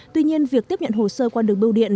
tuy nhiên việc tiếp nhận hồ sơ qua đường bưu điện